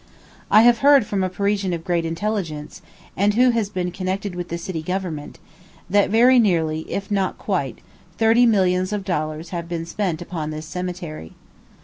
I have heard from a Parisian of great intelligence, and who has been connected with the city government, that very nearly, if not quite, thirty millions of dollars have been spent upon this cemetery.